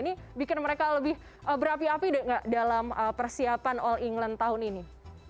ini bikin mereka lebih berapi api nggak dalam persiapan all england tahun ini